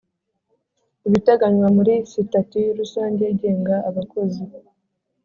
ibiteganywa muri Sitati rusange igenga abakozi